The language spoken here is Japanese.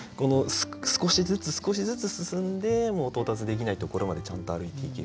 少しずつ少しずつ進んで到達できないところまでちゃんと歩いていける。